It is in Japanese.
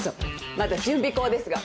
まだ準備稿ですが。